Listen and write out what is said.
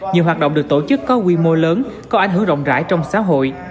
nhiều hoạt động được tổ chức có quy mô lớn có ảnh hưởng rộng rãi trong xã hội